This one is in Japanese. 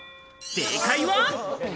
正解は。